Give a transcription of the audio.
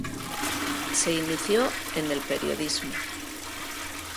Se inició en el periodismo.